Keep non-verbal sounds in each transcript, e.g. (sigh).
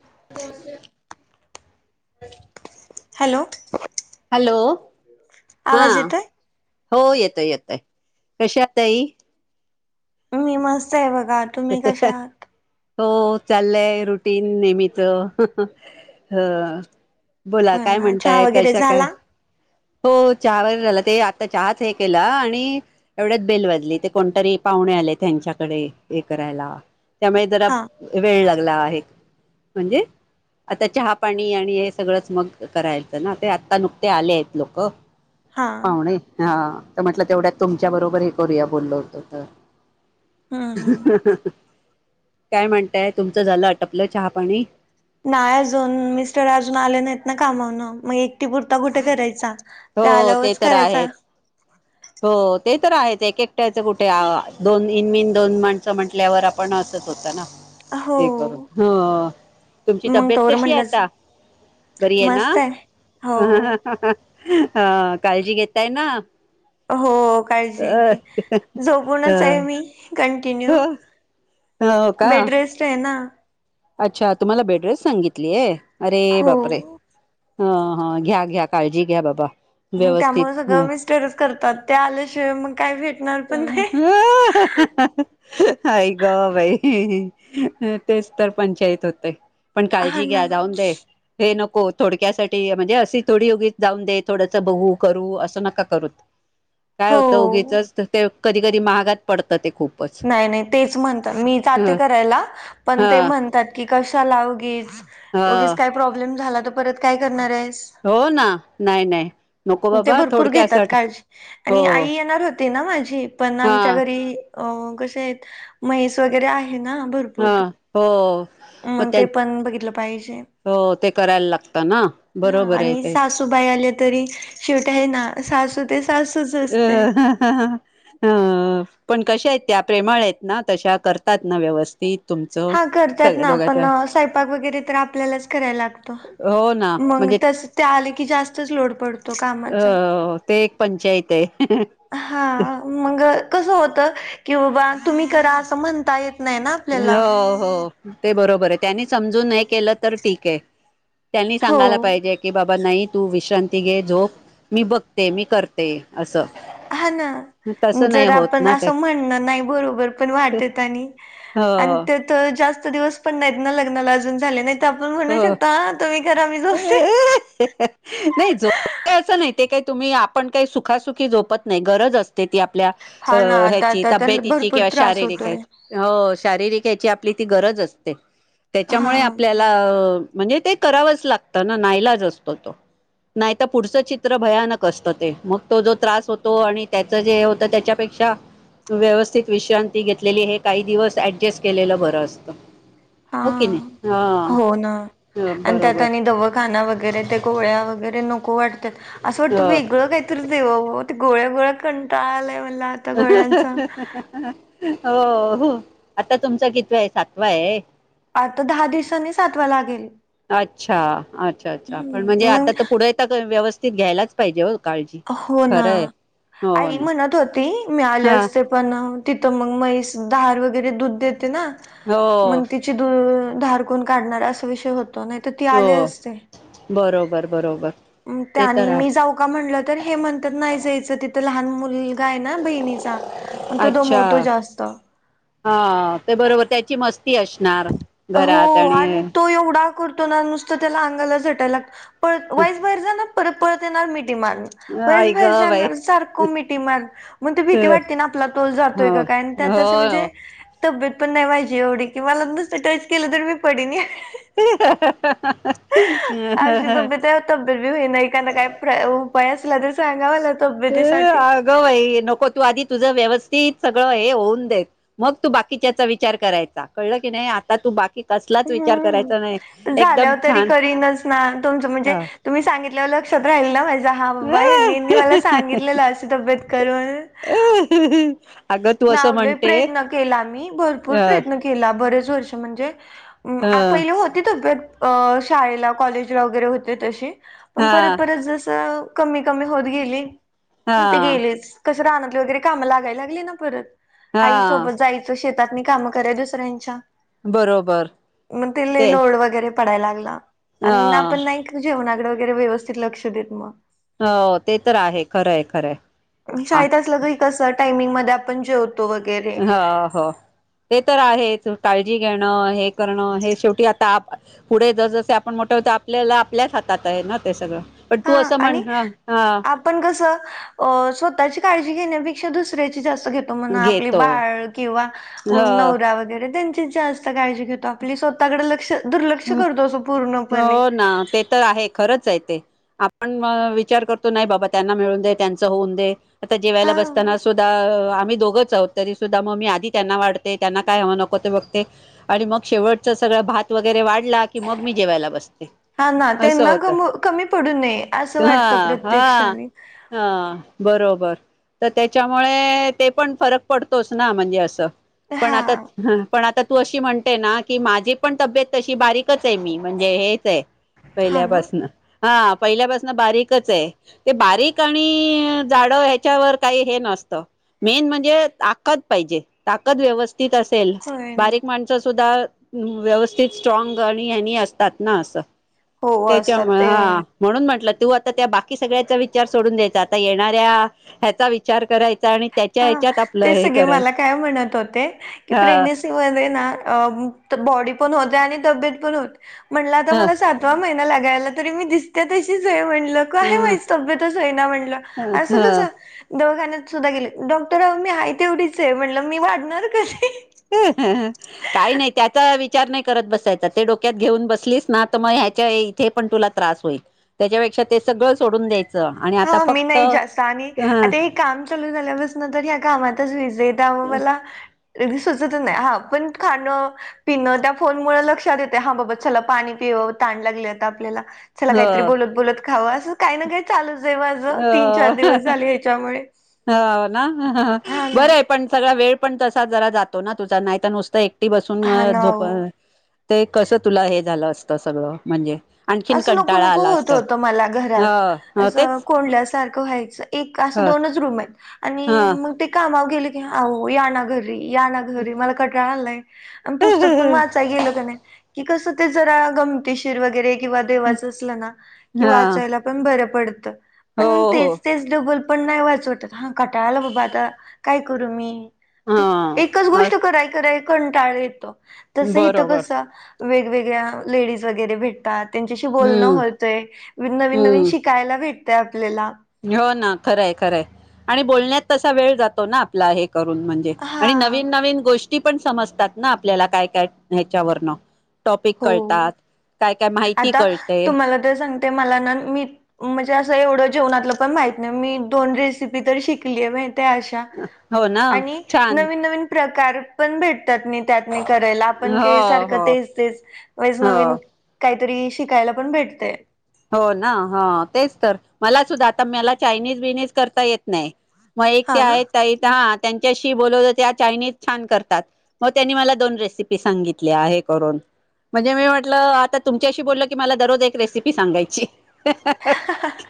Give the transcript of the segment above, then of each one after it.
दहश hello. Hello. हा आवाज येतोय. हो येतोय येतय. कशा आहे ताई? मी मस्त आहे बघ. बा तुम्ही कशा आहात? हो. चाललंय रुटीन नेहमीच ह हं ह. बोला हो काय ना चहा म्हणताय वगैरे कशा काय? झाला हो. चहा वगैरे झा ते आता चहाच हे केला आणि एवढ्यात बेल वाजली ते कोणतरी पाहुणे आले हयांच्याकडे. हे करायला. त्यामुळे जरा हा वेळ लागो ला आहे. म्हणजे आता चहा पाणी आणि हे सगळंच मग करायलच ना ते आता नुकते आले आहेत लोक. हा पाहुणे हा त म्हटलं तेवढ्या तुमच्या बरोबर हे करूया बोललो होतो त (unintelligible) हम्म हम्म काय म्हणताय? तुमचं झालं अटपलं चहा पाणी. नाय अजून मिस्टर अजून आले नाहीत ना कामावरनं म एकटीपुरता कुठ करायचा हो ते आल्यावरच तर करायचा आहेच हो ते तर आहेच एककट्याच कुठे दोन इनमिन दोन माणसं म्हंटल्यावर आपण असत होत ना. हो ते करून हो तुमची मग तब्येत तोवर कशी आहे म्हटलंच आता बरी आहे ना? मस्त हो हा काळजी घेताय ना? हो काळजी अ की अ झोपूनच आहे मी कार टिन्यू हो का बेडरेस्ट आहे ना. अच्छा तुम्हाला बेडरेस सांगितलीय. अरे हो बापरे! हा हा घ्या घ्या काळजी घ्या बाबा मग व्यवस्थित त्यामुळ सगळं मिस्टरच करतात ते आल्याशिवाय मंग हाई ग बाई तेच तर पंचायत होतय. पण हा काळजी घ्या ना जाऊन दे हे नक हो थोडक्यासाठी म्हणजे अशी थोडी उगी जाऊन दे थोडंचं बघू करू असं नका करूत. काय हो होतं उगिचच त कधी कधी महागात पड नाही नाही तेच म्हणतात मी ह जाते करायला पण ते हा म्हणतात की कशाला उगीच ह उगीच काय प्रॉब्लेम झाला त परत काय करणार आहे. हो ना नाही नाही नको ते बाबा भरपूर घेतात थोडक्यासाठी काळजी हो आणि आई येणार होती ना माझी पण हा आमच्या घरी कसे आहेत. म्हैस वगैरे आहे ना भरपूर हा हो मग ते पण बघितलं पाहिजे. हो ते करायला लागतं ना ह बरोबर आहे आणि ते सासू बाई आल्या तरी शेवट्या हाय ना सासू ते सासूच अ असते ह ह ह ह हं पण कशा आहेत त्या प्रेमळ आहेत ना तशा करतात ना व्यवस्थित तुमचं हा करतात सगळ्या ना दोघांच पण स्वयपाक वगैरे तर आपल्यालाच कराय लागतो. हो ना (inaudible) मग म्हणजे तस ते आले की जास्तच लोड पडतो कामाचा. अ ते एक पंचायत (inaudible) आहे (inaudible) हा मग कस होत की बाबा तुम्ही करा असं म्हणता येत नाही ना आपल्याला, हो हो ते बरोबर आहे. त्यांनी समजून नाही केलं तर ठीक आहे. (inaudible) त्यांनी हो सांगायला पाहिजे की, बा बा नाही, तू विश्रांती घे, झोप मी बघते. मी करते असं. हा ना, तसं नाही जर होत आपण ना ते असं म्हणण नाही, बरोबर पण वाटत आणि आणि हो तिथं जा स्त दिवस पण नाही ना, लग्नाला अजून झाले नाहीत. हो (inaudible) नाही झोपते अस नाही. ते काय तुम्ही, आपण काही सुखासुखी झोपत नाही, गरज असते ती. आपल्या हा ना अ आता ह्याची, आता तर तब्येतीची भरपूर किंवा त्रास शारीरिक होतोय ह्याची हो. शारीरिक ह्याची आपली ती गरज असते. ते. हा त्याच्यामुळे आपल्याला अ म्हणजे ते करावंच लागतं ना, नाईलाच असतो तो. नाही तर पुढचं चित्र भयानक असतं. ते मग तो जो त्रास होतो आणि त्याचं जे हे होत. त्याच्यापेक्षा व्यवस्थित विश्रांती घेतलेली, हे काही दिवस ऍडजस्ट केलेलं बरं असत. हा हो कि नाही, हा. हो ना आणि त्यात बरोबर आणि दवाखाना वगैरे ते गोळ्या वगैरे नको वाटतात. असं वाटत, ह वेगळं काहीतरी देवाव गोळया, गोळया कंटाळा आलाय म अ ह ह ह ह अ हो हो, आता तुमचा कितवा आहे, सातवा आहे? आता दहा दिवसांनी सातवा लागेल. अच्छा अच्छा अच्छा! पण म्हणजे हम्म मग आता तर पुढे येत का व्यवस्था ते घ्यायलाचं पाहिजे अ हो ना आई ना म्हणत होती, मी आले हा असते पण तिथं मग म्हैस धार, वगैरे दुध देत देते ना, हो मग तिची दु धार कोण काढणार, असा विषय होता. नाही तर, ती आले असते. बर- बरोबर. त्या ते तर आणि मी आहे जाऊ का म्हणलं, तर हे म्हणतात नाही जायचं तिथं. ते लहान मुली हाय ना, बहिणीचा पण तो अच्छा दमवतो जास्त ती असणार हो घरात आणि तो एवढा करतो ना, नुसत त्याला अंगाला झटाय लाग वाइज बाहिर जाणार परत परत येणार नही ती मांज, ऐक बरेच जा बाई सार मिटी मार मग त हो भीती वाटते ना आपला तोल जरतोय का काय त्यात हो हो म्हणजे (inaudible) तब्बेत पण नाय वायजे जेवढी कि मला नुसत टस्च केलं, तर मी पडून पडीन, (unintelligible) आशी तब्बेत हाय तब्बेत बी होई नाही काना काय प्र पायास तुला द सांगावा ह, अगं हाई नको तू आधी तुझ व्यवस्थ ति सगळं हे होऊन देत. मग तू बाकीच्याचा विचार करायचा कळलं की नाही. आता तू बाकी कसलाच विचार करायचा नाही ह, (inaudible) एकदम झाल्यावर तरी छान करीनच ना तुमच म्हणजे तुम्ही सांगितल्यावर लक्षात राहील नाझ मा हा बाबा ह ननी मला सांगितलेलं अशी तब्येत कर म्हणून (inaudible) अगं तू असं नाव लय म्हणते प्रयत्न केला मी, भरपूर अ प्रयत्न केला बरेच वर्ष म्हणजे, ह पहिले होती तब्बेत अ शाळेला कॉलेजला वगैरे होते तशी पण हा परत परत जस कमी कमी होत गेली. (inaudible) हा कुठ गेलीस गेलेस क राहत वगरे काम लागयला लागले ना, परत, (inaudible) हा आईसोबत जायचं शे त्यांनी कामं करे दुसऱ्यांच्या बरोबर (inaudible) मग ते लै लोड वगैरे खडा लागला. (inaudible) अ त्यांना पण नाहीच जेवणा (inaudible) येरी वगैरे व्यवस्थित लक्ष देत मग. (inaudible) हो ते तर आहे खरंय-खरंय. (inaudible) (inaudible) शाळेत असलं करी कसं टाइमिंग म ते आपण जेव (inaudible) ह हो, (inaudible) ते तर आहेच काळजी घेणं हे करणं, हे शेवटी आता आ (inaudible) पुढे जस-जसे आपण मोठ आपल्याला आपल्याच हातात आहे, ना! ते सगळं. पण हा तू असं म्हण आणि हा हा (inaudible) आपण कसं अ स्वतःची काळजी घेण्यापेक्षा दुसऱ्याची जास् घेतो म्हणा आपली घेतो बाळ किंवा ह नवरा वगैरे त्यान् चीच जास्त काळजी घेतो आपली स्वतःकडे लक्ष दुर्लक्ष हं. करतो असं पूर्णपणे हो ना ते तर आहे खरंचए ते. आपण व विचार करतो, नाही बाबा त्यांना मिळून दे, त्यांचं होऊन दे. आता जेवायला हा बसताना सुद्धा अ आ मी दोघंच आहोत, तरी सुद्धा म मी आधी त्यांना वाढते, त्यांना काय हवं नको ते बघते आणि मग शेवटचं सगळं भात वग वगेरे वाढला की मग मी जेवायला बसते. हा ना असं त्यांना होतं कम कमी पडू नये असं हा वाटतं हा प्रत्यक्षाने. हा बरोबर तर त्याच्यामुळे ते पण फरक पडतोच ना म्हणजे असं. पण हा आता हं पण आता तू अशी म्हणते ना की माझी पण तब्येत तशी बारीकच आहे मी म्हणजे हेचहे. हा ना पहिल्यापासनं. हा पहिल्यापासनं बारीकचहे. ते बारीक आणि जाडं ह्याच्यावर काही हे नसतं. मेन म्हणजे ताकद पाहिजे. ताकद व्यवस् थित असेल, होय बारीक माणसं सुद्धा (inaudible) व्यवस् ते स्ट्रॉंग आणि आणि असतात ना असं हो असतात त्याच्यामुळं ते हा, म्हणून म्हटलं तू आता त्या बाकी सगळ्याचा विचार सोडून द्यायचा, आता येणाऱ्या ह्याचा विचार कराय आणि त्याच्या हा ह्याच्यात आपलं ते हे सगळे मला काय म्हणत होते की हा प्रेग्नेंसीमध्ये ना अ ब बॉडी पण होते आणि तब्येत पण होते. म्हणलं आता ह मला सातवा महिना लागायला तरी मी दिसते तशी हो म्हण लक आहे मा ह तब्येतचई ना म्हणलं ह असं कस दोखान्यात सुद्धा गेले डॉक्टर मी आहे तेवढीच आहे म्हटलं मी वाढणार कसे ह काही नाही त्यात विचार नाहीत बय डोक्यात घेऊन बस ना मग ह्याथे पण तुला त्र होई त्याच्यापेक्षा सगळ सोडून द हा मी नाही जास्त आणि ह आता हे काम चालू झाल्या बसन तर ह्या कामात त रेदाव मला र सुचत नाही हा पण खाणं पिणं त्या फोन मु लक्षात येते हा बाबा चला पाणी पिव ताण लागले आता आपल्याला चला काहीतरी ह बोलत बोलत खावं असं काही ना काही चालूच आहे माझं तीन चार दिवस अ झाले ह्याच्यामुळे हो ना हा बर ना आहे पण सगळा वेळ पण तसा जरा जातो ना तुझा नाही तर नुसतं एक ती बसून हा ना झोप हो ते कसं तुला हे झालं असतं सगळं म्हणजे. आणखीन असं नको कंटाळा नको आला होत असत होतं मला ह घरात. हो असं तेच कोंडल्यासारखं व्हायचं एक असं ह दोनच रूम आहेत. आणि ह मग ते का गे या ना घरी या घरी मला कटाळा आलाय पुस्तक पण वाचाय गेल की कसं ते जरा गमतीशीर वगैरे किंवा देवाच असलं ना कि हा वाचायला पण बर पडतं. हो पण हो तेच तेच डबल पण नाही वाचवत हा कटाळाला बाबा आता काय करू मी हा एकच गोष्ट अस कराय कय कंटाळ येतो. तसं इथ बरोबर कसं वेगवेगळ्या लेडीज वगैरे भेटतात त्यांच्याशी बोलणं हम्म होतंय नवीन नवीन हम्म शिकायला भेट त्या हो ना खरंय खरंय आणि बोलण्यात तसा वेळ जातो ना आपला एक करून म्हणजे हा आणि नवीन नवीन गोष्टी ती पण समजतात ना आपल्याला काय काय ह्याच्यावरनं टॉपिक हो कळतात काय काय माहिती आता कळते तुम्हाला तर सांगते मला ना मी म्हणजे असं एवढं जेवणातलं पण माहित नाही मी दोन रेसिपी तर शिकलीय मा अशा हो ना आणि छान नवीन नवीन प्रा (unintelligible) पण भेट त्यातनी त्यातनी करायला आपण काय हो सारखं हो तेच तेच वायचं हो नवीन काहीतरी शिकायला पण भेटतंय. हो ना, ह तेच तर मला सुद्धा आता मला चायनीज बियनीज करता येत नाही. मग एक ते हा ना आहेत ताई त्या त्यांच्याशी बोलत होत्या त्या चायनीज छान करतात. मग त्यांनी मला दोन रेसिपी सांगितल्या. हे करून म्हणजे मी म्हटलं आता तुमच्याशी बोललं की मला दररोज एक रेसिपी सांगायची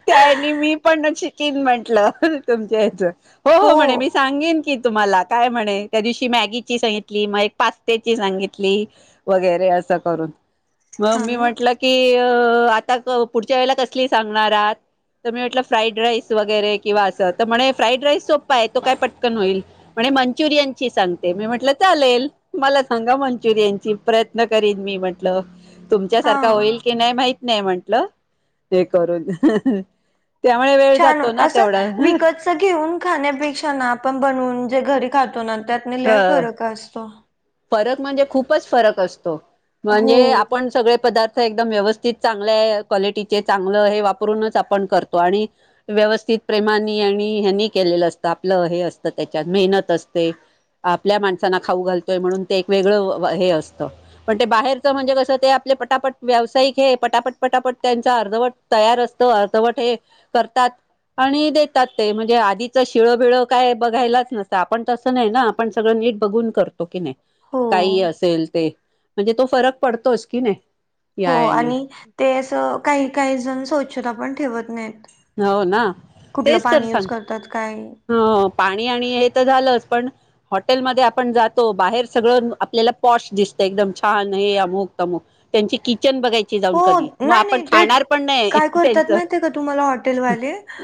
त्या ह्यानी मी पण ना (unintelligible) म्हंटलं तुमच्या याचं. हो हो म्हणे मी सांगेन की तुम्हाला काय म्हणे त्या दिवशी मॅगीची सांगितली, मग एक पास्त्याची सांगितली वगै. रे असं करून मग हा मी ना म्हटलं की अ ता पुढच्या वेळेला कसली सांगणार आहात. तर मी म्हटलं फ्राईड राईस वगैरे किंवा असं. तर म्हणे फ्राईड राईस सोपा आहे. तो काय पटकन होईल म्हणे मंचुरियनची सांगते. मी म्हटलं चालेल मला सांगा मंचुरियन ची प्रयत्न करीन मी म्हटलं. तुमच्यासारखा हा होईल की नाही माहिती नाही म्हणलं लं ते करून. त्यामुळे वेळ छान जातो होत ना असं तेवढा विकतचं घेऊन खाण्यापेक्षा ना आपण बनवून जे घरी खातो ना त्यातनं लय ह फरक असतो. फरक म्हणजे खूपच फरक असतो. हो म्हणजे आपण सगळे पदार्थ एकदम व्यवस्थित चांगल्या क्वालिटीचे चांगलं हे वापरूनच आपण करतो. आणि व्यवस्थित प्रेमानी आणि ह्यानी केलेलं असतं आपलं हे असतं. त्याच्यात मेहनत असते आपल्या माणसाना खाऊ घाल म्हणून ते एक वेगळं हे असतं. पण ते बाहेरचं म्हणजे कसं ते आपले पटापट व्यावसायिक हे पटापट पटापट त्यांचा अर्धवट तयार असतो. अर्धवट हे करतात आणि देतात. ते म्हणजे आधीचं शिळं बिळं काय बघायलाच नसतं आपण तसं नाही ना आपण सगळं नीट बघून करतो. हो की नाय. हो काही ही असेल ते म्हणजे तो फरक पडतोच की नाही? हो. यानी आणि ते अस काही काही जण सोच्छता पण ठेवत नाहीत. हो ना कुठलं तेच तर पाणी युज सांगते. करतात काय हो पाणी आणि हे तर झालंच पण हॉटेलमध्ये आपण जातो बाहेर सगळं आपल्याला पॉश दिसत एकदम छान हे अमुक अमोक त्यांची कि किचन बघायची जाऊन हो कधी. मग नाही आपण नाही ते खाणार पण नाही काय करतात त्यांच माहितीय का (inaudible)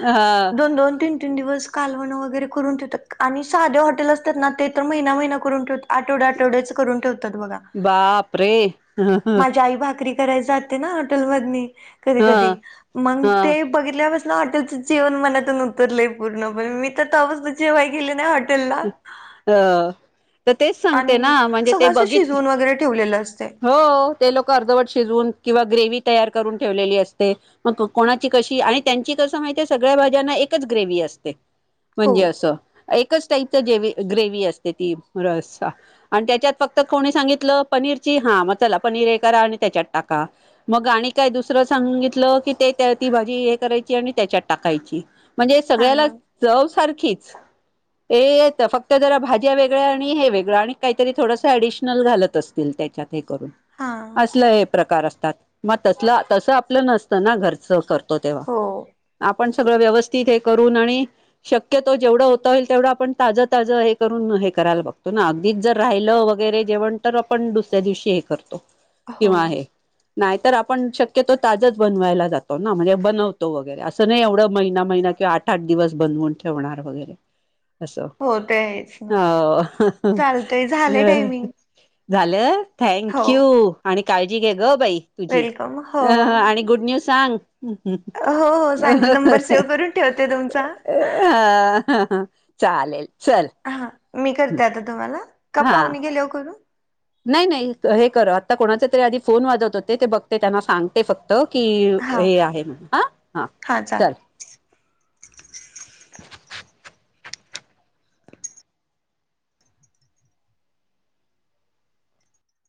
ह दोन दोन तीन तीन दिवस कालवणं वगैरे करून ठेवतात आणि साध्या हॉटेल असतात ना ते तर महिना महिना करून ठेवतात. आठवड आठवडच करून ठेवतात बघा. बाप रे ह माझ्या आई भाकरी जाते ना हॉटेल मंधी. कधी ह कधी. मग ह ते बघितल्या पास हॉटेलचं जेवण मनातून उतरलंय पूर्ण. पण मी तवापासन जेवाय गेली नाही हॉटेल (inaudible) ह, (inaudible) तर तेच सांगते आणि ना, म्हणजे ते सगळं असं बघित शिजवून वगैरे ठेवलेलं असतंय (inaudible) हो ते लोक अर्धवट शिजून किंवा ग्रेव तयार करून ठेवलेली असते, म कोणाची कशी आणि त्यांची कस माहिती सगळ्या भाज्यांना एकच ग्रेवी असते. (inaudible) (inaudible) हो म्हणजे असं, एकच तईत गेवी ग्रेव्ही असते ती, रसा (inaudible) आणि त्याच्यात फक्त कोणी सांगितलं पनीरची हा मग चला पनीर हे करा, आणि त्याच्यात टाका मग आणि काय दुसरं सांगितलं. कि ते ती भाजी हे करायची आणि त्याच्यात टाकायची. (inaudible) म्हणजे हा सगळ्याला, ना (inaudible) जव सारख नक्कीच! हे फक्त जरा भाज्या वेगळ्या आणि हे वेगळं आणि काही जरी, थोडंसं ऍडिशनल घालत असतील त्याच्यात. ते करून हा असलं हे प्रकार असतात. मग तसला- तसं आपलं नसत ना घरचं कर तेव्हा, हो आप आपण सगळं व्यवस्थित हे करून आणि शक्यतो, जेवढा होता येईल तेवढा पण ताजं ताजं हे करून हे करायला बघतो ना, अगदीच जर राहिलं वगैरे जेवण तर आपण दुसऱ्या दिवशी हे करतो. हो. नाही तर आपण शक्यतो ताजच बनवायला जातो ना म्हणजे, बनवतो वगैरे असं नाही एवढं महिना- महिना किंवा आठ -आठ दिवस बनवून ठेवणार वगैरे. असो हो ते आहेच ना हा, हा ह चालतंय अ झालंय ह टायमिंग (unintelligible) झालं. हो थँक यू! आणि काळजी घे गं बाई! तुझी वेलकम हो अ ह आणि गुड न्यूज सांग. हो हो ह सांगते ह नंबर सेव्ह करून ठेवते तुमचा अ ह हा (unintelligible) चालेल. हां. मी करते आता तुम्हाला का हा पाहुणे गेल्यावर करू? नाही नाही हे कर आता कोणाचा तरी आधी फोन वाजत होते ते बघते त्यांना सांगते फक्त की हा हे आहे म्हण हा हा चल (inaudible)